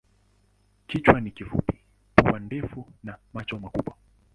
Kichwa ni kifupi, pua ndefu na macho makubwa.